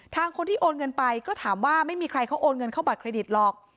คนที่โอนเงินไปก็ถามว่าไม่มีใครเขาโอนเงินเข้าบัตรเครดิตหรอก